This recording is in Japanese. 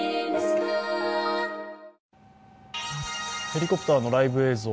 ヘリコプターのライブ映像